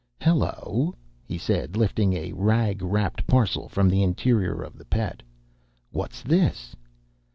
"Hello!" he said, lifting a rag wrapped parcel from the interior of the Pet. "What's this?"